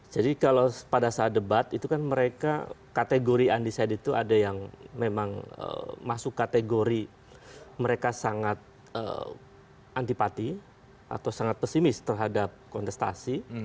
kalau pada saat debat itu kan mereka kategori undecided itu ada yang memang masuk kategori mereka sangat antipati atau sangat pesimis terhadap kontestasi